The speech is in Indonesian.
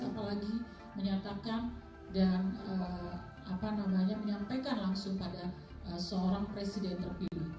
apalagi menyatakan dan menyampaikan langsung pada seorang presiden terpilih